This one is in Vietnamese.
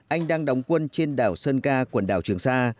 anh đang đóng quân trên đảo sơn ca quần đảo trường sa